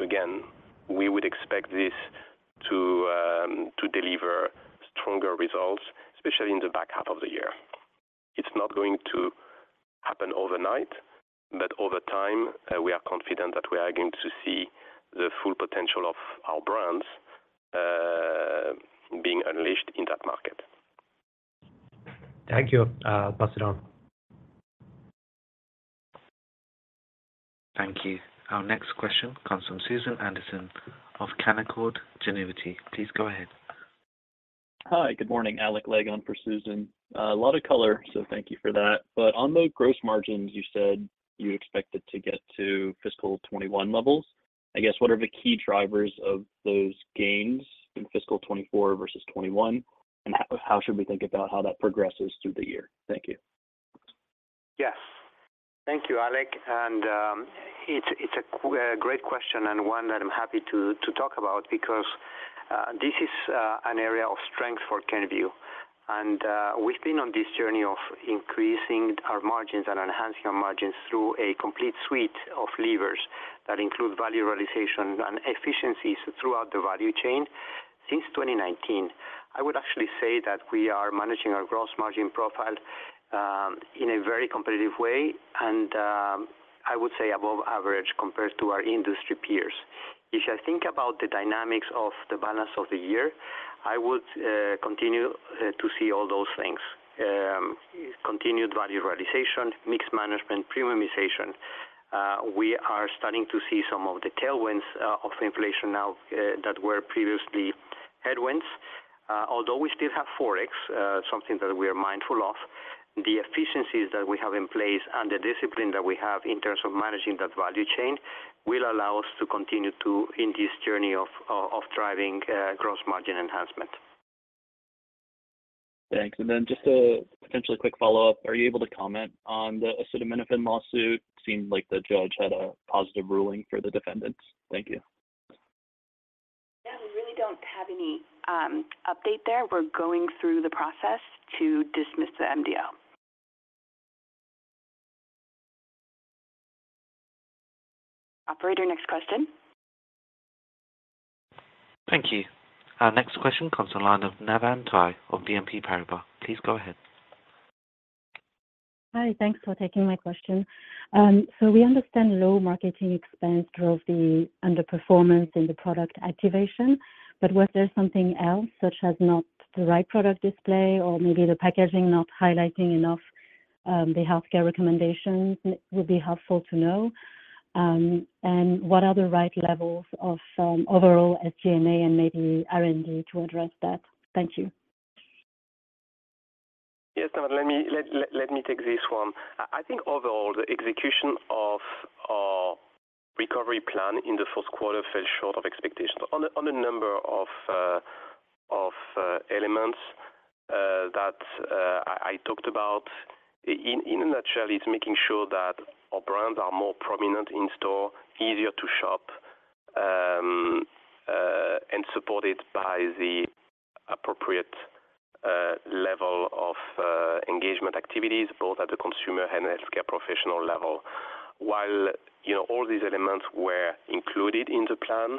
again, we would expect this to deliver stronger results, especially in the back half of the year. It's not going to happen overnight, but over time, we are confident that we are going to see the full potential of our brands being unleashed in that market. Thank you. Pass it on. Thank you. Our next question comes from Susan Anderson of Canaccord Genuity. Please go ahead. Hi, good morning. Alec Legg for Susan. A lot of color, so thank you for that. But on the gross margins, you said you expected to get to fiscal 2021 levels. I guess, what are the key drivers of those gains in fiscal 2024 versus 2021? And how should we think about how that progresses through the year? Thank you. Yes. Thank you, Alec, and, it's a great question and one that I'm happy to talk about, because, this is an area of strength for Kenvue. We've been on this journey of increasing our margins and enhancing our margins through a complete suite of levers that include value realization and efficiencies throughout the value chain. Since 2019, I would actually say that we are managing our gross margin profile, in a very competitive way and, I would say above average compared to our industry peers. If I think about the dynamics of the balance of the year, I would continue to see all those things. Continued value realization, mix management, premiumization. We are starting to see some of the tailwinds of inflation now, that were previously headwinds. Although we still have Forex, something that we are mindful of, the efficiencies that we have in place and the discipline that we have in terms of managing that value chain will allow us to continue to... in this journey of driving gross margin enhancement. Thanks. And then just a potentially quick follow-up. Are you able to comment on the acetaminophen lawsuit? Seemed like the judge had a positive ruling for the defendants. Thank you. Yeah, we really don't have any update there. We're going through the process to dismiss the MDL. Operator, next question. Thank you. Our next question comes on the line of Navann Ty of BNP Paribas. Please go ahead. Hi, thanks for taking my question. So we understand low marketing expense drove the underperformance in the product activation, but was there something else, such as not the right product display or maybe the packaging not highlighting enough, the healthcare recommendations? It would be helpful to know. And what are the right levels of, overall SG&A and maybe R&D to address that? Thank you. Yes, Navann, let me take this one. I think overall, the execution of our recovery plan in the Q1 fell short of expectations on a number of elements that I talked about. In a nutshell, it's making sure that our brands are more prominent in store, easier to shop, and supported by the appropriate level of engagement activities, both at the consumer and healthcare professional level. While, you know, all these elements were included in the plan,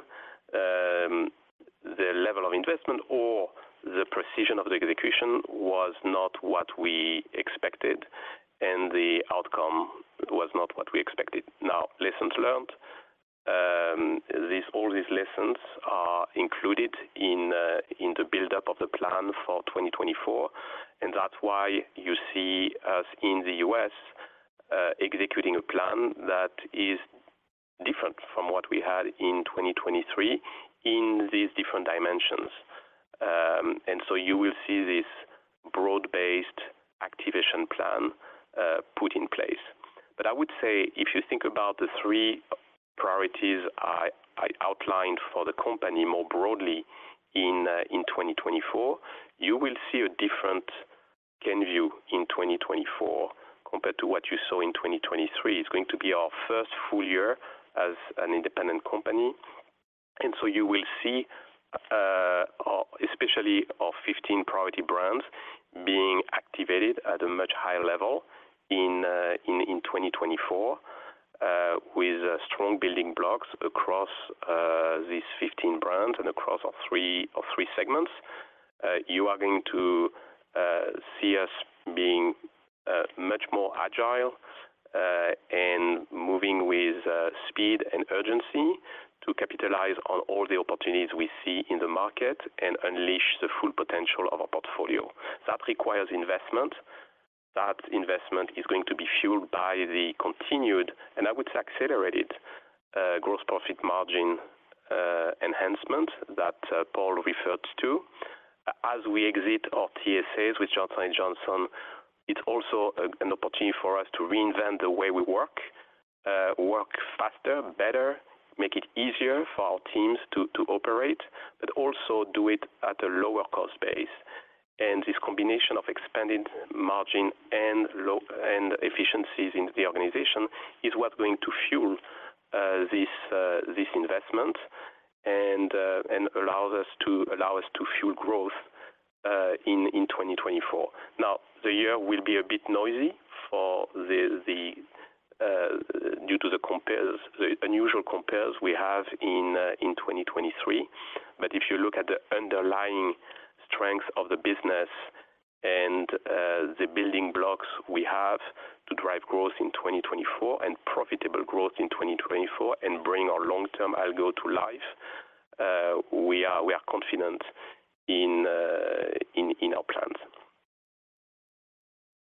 the level of investment or the precision of the execution was not what we expected, and the outcome was not what we expected. Now, lessons learned, all these lessons are included in the buildup of the plan for 2024, and that's why you see us in the US, executing a plan that is what we had in 2023 in these different dimensions. So you will see this broad-based activation plan put in place. But I would say if you think about the three priorities I outlined for the company more broadly in 2024, you will see a different Kenvue in 2024 compared to what you saw in 2023. It's going to be our first full year as an independent company, and so you will see, especially our 15 priority brands being activated at a much higher level in 2024, with strong building blocks across these 15 brands and across our three segments. You are going to see us being much more agile and moving with speed and urgency to capitalize on all the opportunities we see in the market and unleash the full potential of our portfolio. That requires investment. That investment is going to be fueled by the continued, and I would say, accelerated, gross profit margin enhancement that Paul referred to. As we exit our TSAs with Johnson & Johnson, it's also an opportunity for us to reinvent the way we work. Work faster, better, make it easier for our teams to operate, but also do it at a lower cost base. And this combination of expanded margin and lower efficiencies in the organization is what's going to fuel this investment and allows us to fuel growth in 2024. Now, the year will be a bit noisy due to the compares, the unusual compares we have in 2023. But if you look at the underlying strength of the business and the building blocks we have to drive growth in 2024 and profitable growth in 2024 and bring our long-term algo to life, we are confident in our plans.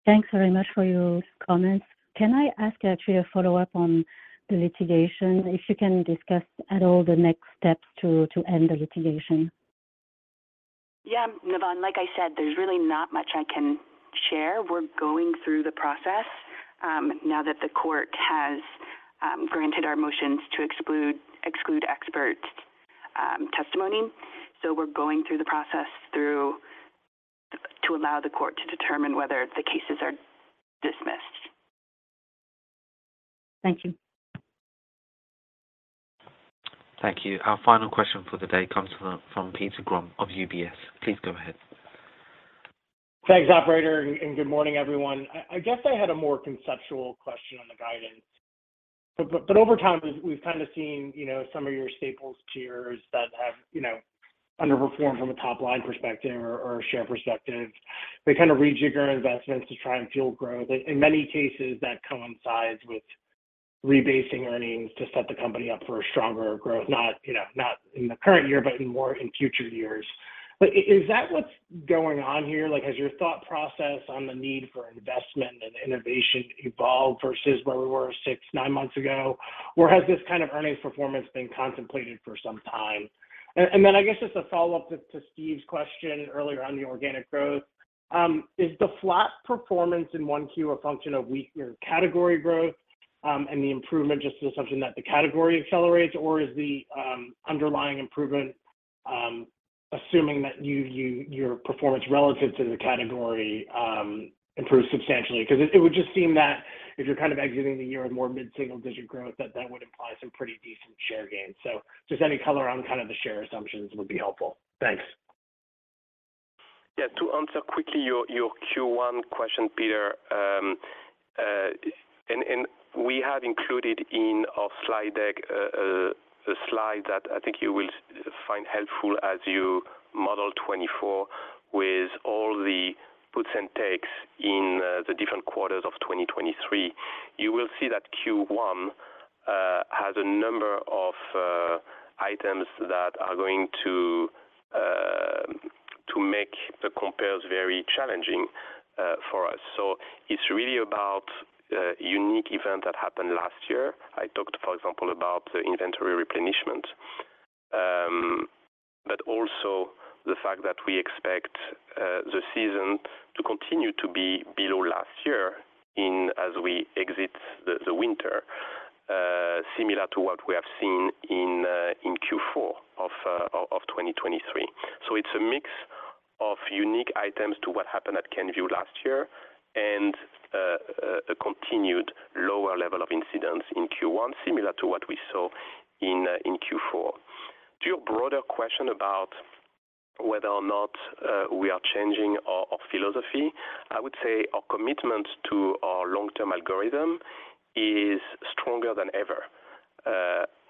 Thanks very much for your comments. Can I ask actually a follow-up on the litigation, if you can discuss at all the next steps to end the litigation? Yeah, Navann, like I said, there's really not much I can share. We're going through the process now that the court has granted our motions to exclude expert testimony. So we're going through the process to allow the court to determine whether the cases are dismissed. Thank you. Thank you. Our final question for the day comes from Peter Grom of UBS. Please go ahead. Thanks, operator, and good morning, everyone. I guess I had a more conceptual question on the guidance. But over time, we've kind of seen, you know, some of your staples peers that have, you know, underperformed from a top-line perspective or a share perspective. They kind of rejigger investments to try and fuel growth. In many cases, that coincides with rebasing earnings to set the company up for a stronger growth, not, you know, not in the current year, but in more in future years. But is that what's going on here? Like, has your thought process on the need for investment and innovation evolved versus where we were six, nine months ago? Or has this kind of earnings performance been contemplated for some time? And then I guess just a follow-up to Steve's question earlier on the organic growth, is the flat performance in Q1 a function of weaker category growth, and the improvement just an assumption that the category accelerates, or is the underlying improvement assuming that your performance relative to the category improves substantially? Because it would just seem that if you're kind of exiting the year with more mid-single digit growth, that that would imply some pretty decent share gains. So just any color around kind of the share assumptions would be helpful. Thanks. Yeah. To answer quickly your Q1 question, Peter, and we have included in our slide deck a slide that I think you will find helpful as you model 2024 with all the puts and takes in the different quarters of 2023. You will see that Q1 has a number of items that are going to make the compares very challenging for us. So it's really about a unique event that happened last year. I talked, for example, about the inventory replenishment. But also the fact that we expect the season to continue to be below last year in as we exit the winter, similar to what we have seen in Q4 of 2023. So it's a mix of unique items to what happened at Kenvue last year and, a continued lower level of incidence in Q1, similar to what we saw in, in Q4. To your broader question about whether or not, we are changing our, our philosophy, I would say our commitment to our long-term algorithm is stronger than ever.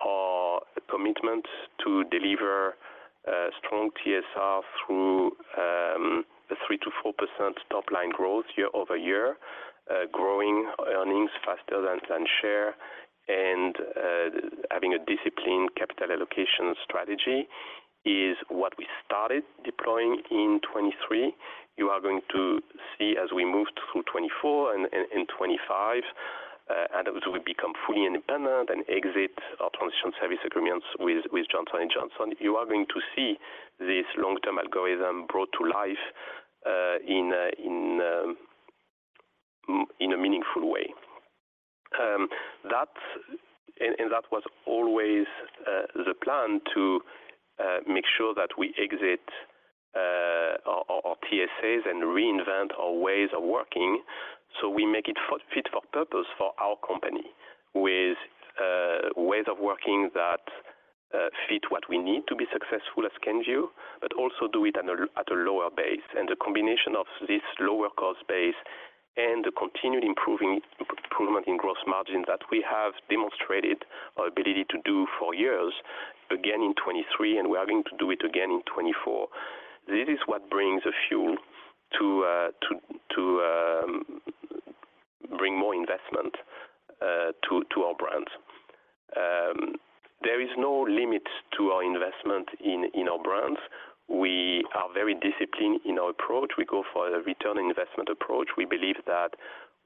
Our commitment to deliver, strong TSR through, a 3%-4% top-line growth year-over-year, growing earnings faster than, than share, and, having a disciplined capital allocation strategy is what we started deploying in 2023. You are going to see as we move through 2024 and 2025, and as we become fully independent and exit our transition service agreements with Johnson & Johnson, you are going to see this long-term algorithm brought to life in a meaningful way. That and that was always the plan to make sure that we exit our TSAs and reinvent our ways of working, so we make it for fit for purpose for our company with ways of working that fit what we need to be successful as Kenvue, but also do it at a lower base. The combination of this lower cost base and the continued improving, improvement in gross margin that we have demonstrated our ability to do for years, again, in 2023, and we are going to do it again in 2024. This is what brings the fuel to bring more investment to our brands. There is no limit to our investment in our brands. We are very disciplined in our approach. We go for a return on investment approach. We believe that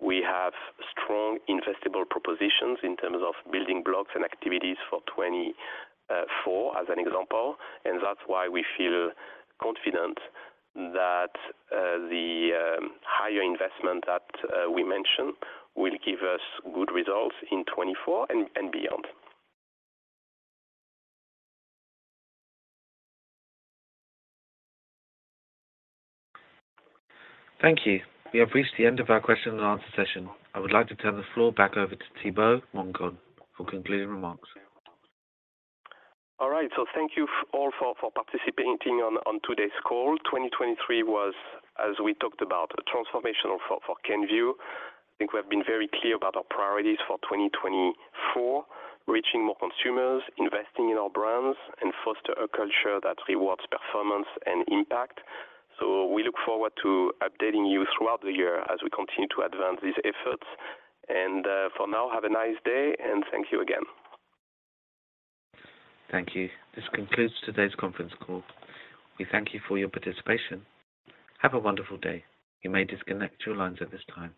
we have strong investable propositions in terms of building blocks and activities for 2024 as an example, and that's why we feel confident that the higher investment that we mentioned will give us good results in 2024 and beyond. Thank you. We have reached the end of our question and answer session. I would like to turn the floor back over to Thibaut Mongon for concluding remarks. All right. So thank you all for participating on today's call. 2023 was, as we talked about, a transformational for Kenvue. I think we have been very clear about our priorities for 2024: reaching more consumers, investing in our brands, and foster a culture that rewards performance and impact. So we look forward to updating you throughout the year as we continue to advance these efforts. And for now, have a nice day, and thank you again. Thank you. This concludes today's conference call. We thank you for your participation. Have a wonderful day. You may disconnect your lines at this time.